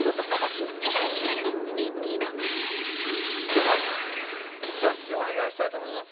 ではジャッジお願いしたいと思います。